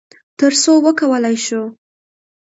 تر څو وکولی شو،